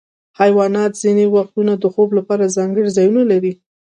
حیوانات ځینې وختونه د خوب لپاره ځانګړي ځایونه لري.